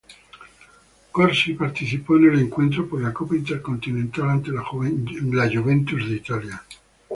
Corsi participó en el encuentro por la Copa Intercontinental ante la Juventus de Italia.